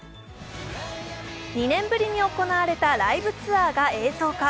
２年ぶりに行われたライブツアーが映像化。